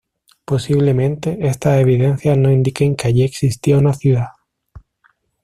Posiblemente, estas evidencias no indiquen que allí existía una ciudad.